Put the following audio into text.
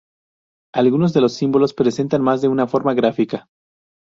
Algunos de los símbolos presentan más de una forma gráfica.